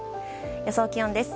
予想気温です。